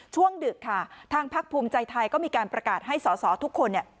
ดึกค่ะทางพักภูมิใจไทยก็มีการประกาศให้สอสอทุกคนเนี่ย